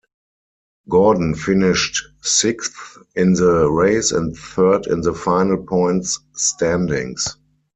Gordon finished sixth in the race and third in the final points standings.